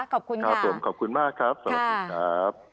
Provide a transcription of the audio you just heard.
ขอบคุณครับผมขอบคุณมากครับสวัสดีครับ